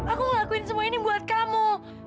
aku ngelakuin semua ini buat kamu